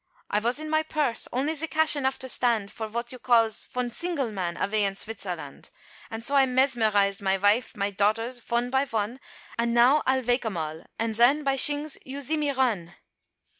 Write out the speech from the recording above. I vos in my purse, only ze cash enough to stand, For vot you calls, von single man, avay in Svitzerland. And so I mesmerised my vife, my daughters, von by von, And now I'll vake 'em all, and zen, by shings, you zee me run!"